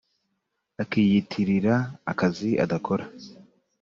akiyitirira akazi adakora